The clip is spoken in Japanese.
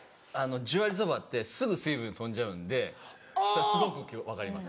十割そばってすぐ水分飛んじゃうんですごく分かります。